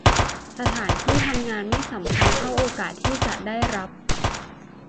สถานที่ทำงานไม่สำคัญเท่าโอกาสที่จะได้รับ